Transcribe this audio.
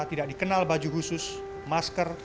tidak dikenal baju khusus masker